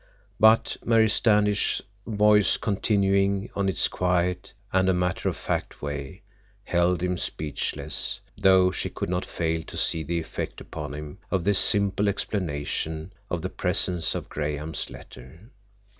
But Mary Standish's voice, continuing in its quiet and matter of fact way, held him speechless, though she could not fail to see the effect upon him of this simple explanation of the presence of Graham's letter.